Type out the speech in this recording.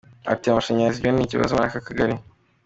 Ati”Amashanyarazi byo ni ikibazo muri aka Kagali.